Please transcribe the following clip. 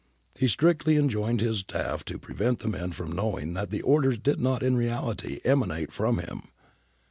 He strictly enjoined on his staff to prevent the men from knowing that the orders did not in reality emanate from him.